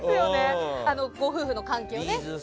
ご夫婦の関係ね。